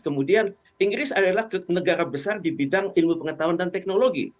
kemudian inggris adalah negara besar di bidang ilmu pengetahuan dan teknologi